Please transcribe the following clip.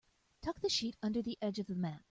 Tuck the sheet under the edge of the mat.